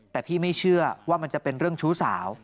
แต่พี่ไม่เชื่อว่ามันจะเป็นเรื่องชู้สาว